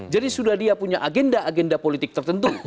jadi sudah dia punya agenda agenda politik tertentu